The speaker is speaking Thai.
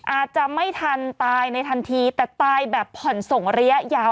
อาจจะไม่ทันตายในทันทีแต่ตายแบบผ่อนส่งระยะยาว